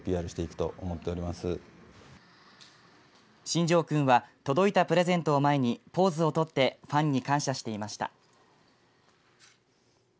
しんじょう君は届いたプレゼントを前にポーズをとってファンに感謝していました。